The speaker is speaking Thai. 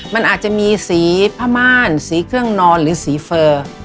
มันอาจจะมีสีผ้าม่านสีเครื่องนอนหรือสีเฟอร์